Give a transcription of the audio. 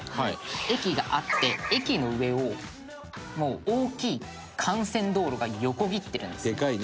「駅があって駅の上をもう大きい幹線道路が横切ってるんですね」